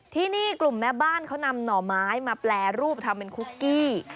ที่นี่กลุ่มแม่บ้านเขานำหน่อไม้มาแปรรูปทำเป็นคุกกี้